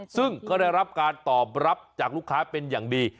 ซึ่งก็ได้รับการตอบรับจากลูกค้าเป็นอย่างดี